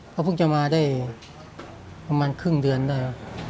เขาเพิ่งจะมาได้ประมาณครึ่งเดือนได้